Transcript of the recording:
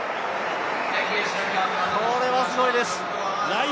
これはすごいです。